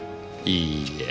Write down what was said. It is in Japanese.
いいえ。